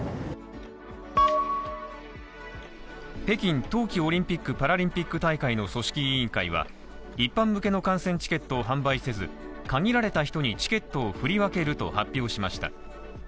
北京冬季オリンピック・パラリンピック大会の組織委員会は、一般向けの観戦チケットを販売せず、限られた人にチケットを振り分けると発表しました。